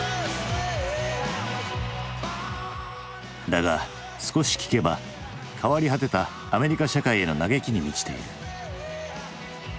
だが少し聴けば変わり果てたアメリカ社会への嘆きに満ちている。